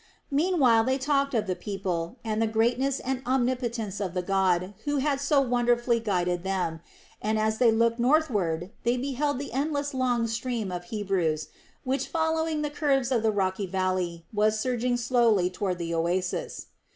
Meanwhile they talked of the people and the greatness and omnipotence of the God who had so wonderfully guided them, and as they looked northward, they beheld the endlessly long stream of Hebrews, which, following the curves of the rocky valley, was surging slowly toward the oasis.